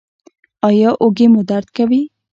ایا اوږې مو درد کوي؟